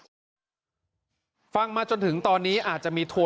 ส่งมาขอความช่วยเหลือจากเพื่อนครับ